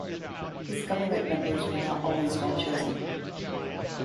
His government members were not always well-chosen.